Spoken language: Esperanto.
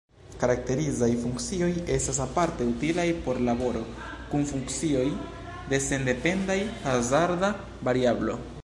Karakterizaj funkcioj estas aparte utilaj por laboro kun funkcioj de sendependaj hazarda variablo.